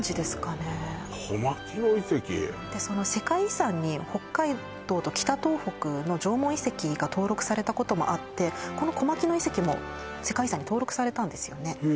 世界遺産に北海道と北東北の縄文遺跡が登録されたこともあってこの小牧野遺跡も世界遺産に登録されたんですよね